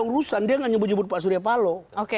urusan dia tidak menyebut nyebut pak surya paloh